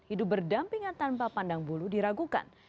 hidup berdampingan tanpa pandang bulu diragukan